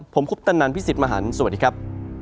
ผมคุปตันนันพี่สิทธิ์มหันฯสวัสดีครับ